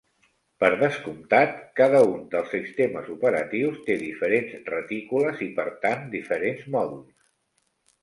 Per descomptat, cada un dels sistemes operatius té diferents retícules i per tant, diferents mòduls.